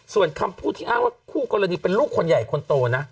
ส่วนคำพูดที่อ้างว่าคู่กรณีเป็นลูกคนใหญ่คนโตนะ